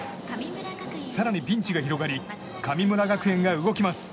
更にピンチが広がり神村学園が動きます。